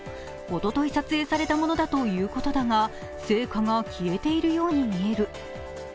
おととい撮影されたものだということだが、聖火が消えているように見える。